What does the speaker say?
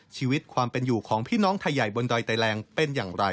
ชีวิตความเป็นอยู่ของพี่น้องไทยใหญ่บนดอยไตแรงเป็นอย่างไร